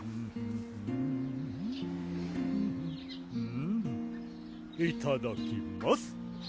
うんいただきます